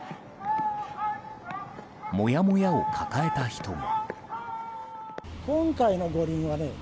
もやもやを抱えた人も。